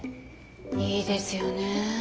いいですよねえ。